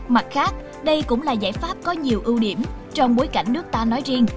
mặt khác đây cũng là giải pháp có nhiều ưu điểm trong bối cảnh nước ta nói riêng